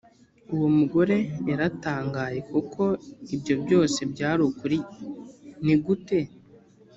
uwo mugore yaratangaye kuko ibyo byose byari ukuri ni gute